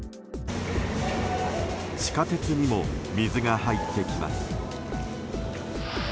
地下鉄にも水が入ってきます。